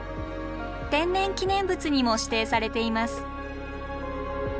天然記念物にも指定されています。